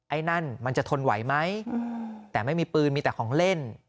ไอ้นั่นมันจะทนไหวไหมแต่ไม่มีปืนมีแต่ของเล่น